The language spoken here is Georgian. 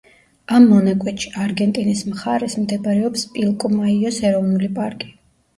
ამ მონაკვეთში, არგენტინის მხარეს მდებარეობს პილკომაიოს ეროვნული პარკი.